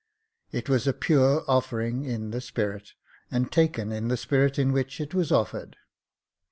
It was a pure offering in the spirit, and taken in the spirit in which it was offered.